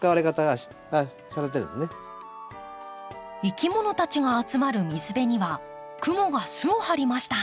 いきものたちが集まる水辺にはクモが巣をはりました。